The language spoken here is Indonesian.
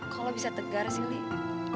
kok lo bisa tegar sih lik